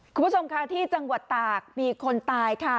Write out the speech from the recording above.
คุณผู้ชมค่ะที่จังหวัดตากมีคนตายค่ะ